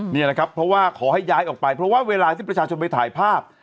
นี่นะครับเพราะว่าขอให้ย้ายออกไปเพราะว่าเวลาที่ประชาชนไปถ่ายภาพ